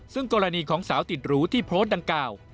ซึ่งกรณีของสาวติดหรูที่โพสต์ดังกล่าว